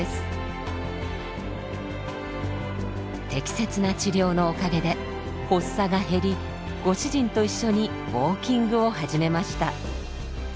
適切な治療のおかげで発作が減りご主人と一緒にウォーキングを始めました。